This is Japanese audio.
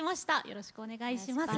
よろしくお願いします。